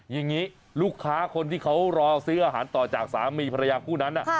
อย่างนี้ลูกค้าคนที่เขารอซื้ออาหารต่อจากสามีภรรยาคู่นั้น